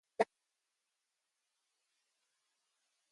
The main office is located in Enon, Ohio.